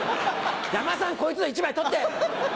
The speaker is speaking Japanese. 山田さんこいつの１枚取って。